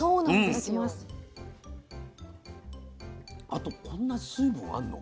あとこんな水分あんの？